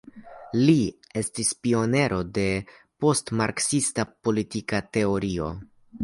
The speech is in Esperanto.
Li estis pioniro de postmarksista politika teorio.